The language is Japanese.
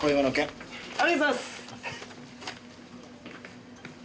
ありがとうございます！